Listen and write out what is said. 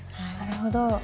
なるほど。